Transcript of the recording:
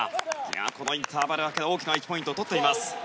このインターバル明け大きな１ポイントを取っています。